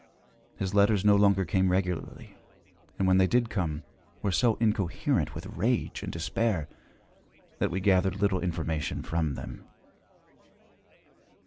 His letters no longer came regularly, and, when they did come, were so incoherent with rage and despair that we gathered little information from them.